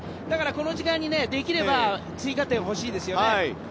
だから、この時間にできれば追加点が欲しいですよね。